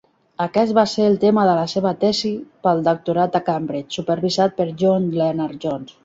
Aquest va ser el tema de la seva tesi pel doctorat a Cambridge, supervisat per John Lennard-Jones.